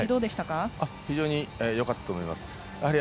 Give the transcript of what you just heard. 非常によかったと思います。